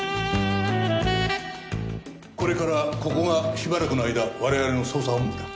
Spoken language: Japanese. これからここがしばらくの間我々の捜査本部だ。